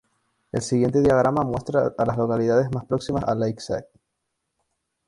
El siguiente diagrama muestra a las localidades más próximas a Lakeside.